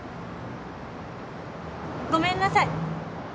ごめんなさい。